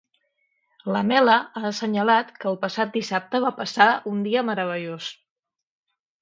L'Amela ha assenyalat que el passat dissabte va passar un dia meravellós.